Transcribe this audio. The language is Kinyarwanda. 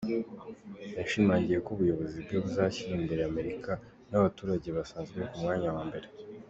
Yashimangiye ko ubuyobozi bwe buzashyira imbere Amerika n’abaturage basanzwe ku mwanya wa mbere.